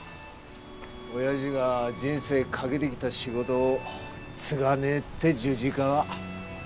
おやじが人生懸けてきた仕事を継がねえって十字架は。